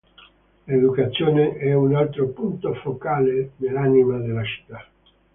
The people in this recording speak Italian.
L'educazione è un altro punto focale dell'anima della città.